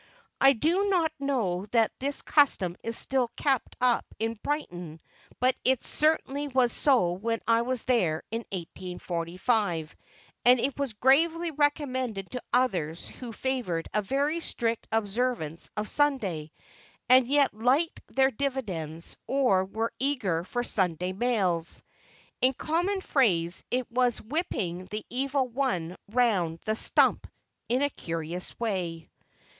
I do not know that this custom is still kept up at Brighton, but it certainly was so when I was there in 1845; and it was gravely recommended to others who favored a very strict observance of Sunday, and yet liked their dividends, or were eager for Sunday mails. In common phrase, it was whipping the Evil One round the stump in a curious way.